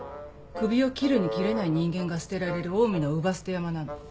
クビを切るに切れない人間が捨てられるオウミの姥捨山なの。